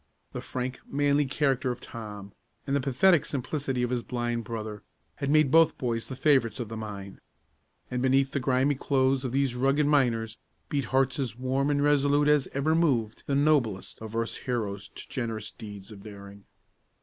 The frank, manly character of Tom, and the pathetic simplicity of his blind brother, had made both boys the favorites of the mine. And beneath the grimy clothes of these rugged miners, beat hearts as warm and resolute as ever moved the noblest of earth's heroes to generous deeds of daring.